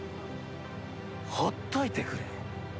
ほっといてくれ。